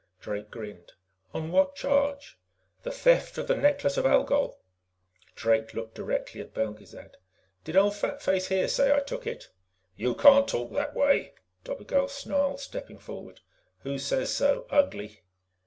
Drake grinned. "On what charge?" "The theft of the Necklace of Algol." Drake looked directly at Belgezad. "Did old Fatface here say I took it?" "You can't talk that way," Dobigel snarled, stepping forward. "Who says so, Ugly?"